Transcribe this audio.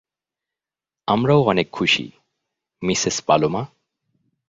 আমরাও অনেক খুশি, মিসেস পালোমা।